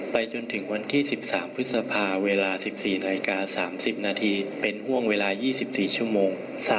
จนถึงวันที่๑๓พฤษภาเวลา๑๔นาฬิกา๓๐นาทีเป็นห่วงเวลา๒๔ชั่วโมง